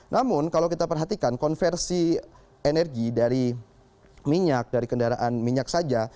namun kalau kita perhatikan konversi energi dari minyak dari kendaraan minyak saja